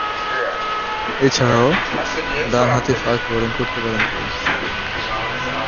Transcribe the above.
এছাড়াও, ডানহাতি fast bowling করতে পারতেন তিনি।